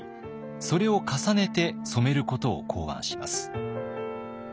それを重ねて染めることを考案します。